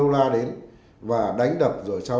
lên bảy mươi một de kỳ mã